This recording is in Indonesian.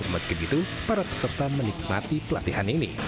meski begitu para peserta menikmati pelatihan ini